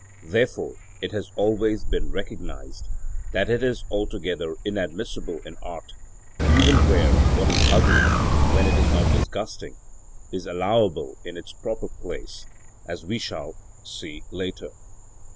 Therefore it has always been recognised that it is altogether inadmissible in art, where even what is ugly, when it is not disgusting, is allowable in its proper place, as we shall see later.